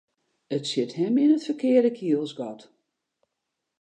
It sjit him yn it ferkearde kielsgat.